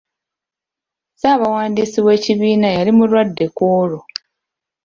Ssabawandiisi weekibiina yali mulwadde ku olwo.